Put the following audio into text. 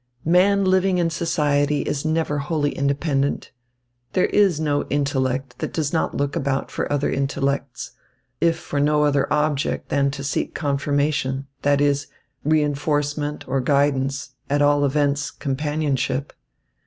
Man living in society is never wholly independent. There is no intellect that does not look about for other intellects, if for no other object than to seek confirmation, that is, reinforcement or guidance, at all events, companionship.